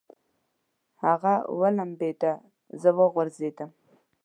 هغه ولمبېده، زه وغورځېدم.